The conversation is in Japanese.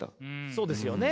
そうですよね。